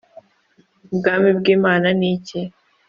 “Ubwami bw’Imana ni iki?”